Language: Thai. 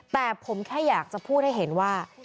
แต่ผมแค่อยากจะพูดให้เห็นว่า